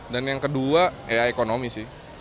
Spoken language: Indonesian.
dan yang kedua ya ekonomi sih